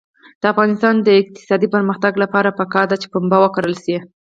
د افغانستان د اقتصادي پرمختګ لپاره پکار ده چې پنبه وکرل شي.